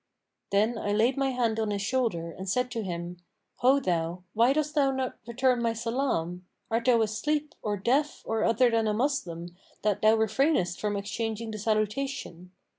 Then I laid my hand on his shoulder and said to him, 'Ho thou, why dost thou not return my salam? Art thou asleep or deaf or other than a Moslem, that thou refrainest from exchanging the salutation?'